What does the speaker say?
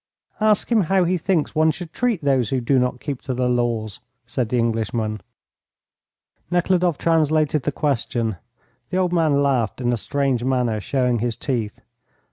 "Ask him how he thinks one should treat those who do not keep to the laws," said the Englishman. Nekhludoff translated the question. The old man laughed in a strange manner, showing his teeth.